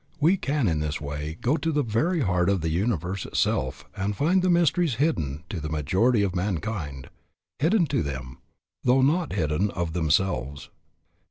We can in this way go to the very heart of the universe itself and find the mysteries hidden to the majority of mankind, hidden to them, though not hidden of themselves.